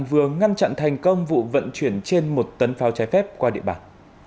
vừa ngăn chặn thành công vụ vận chuyển trên một tấn pháo trái phép qua địa bàn